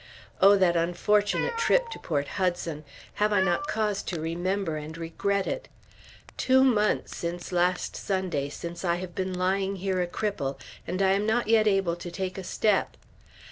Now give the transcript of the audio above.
O that unfortunate trip to Port Hudson! Have I not cause to remember and regret it? Two months last Sunday since I have been lying here a cripple, and I am not yet able to take a step.